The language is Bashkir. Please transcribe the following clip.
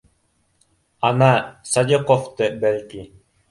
— Ана, Садиҡовты, бәлки